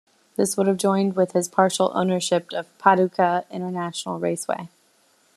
This would have joined with his partial ownership of Paducah International Raceway.